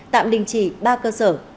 tạm đình chỉ ba cơ sở